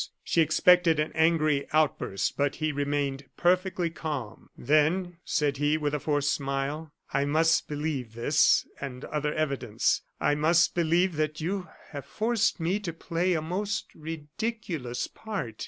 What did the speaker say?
She expected an angry outburst, but he remained perfectly calm. "Then," said he, with a forced smile, "I must believe this and other evidence. I must believe that you have forced me to play a most ridiculous part.